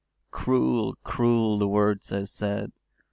“Cruel, cruel the words I said!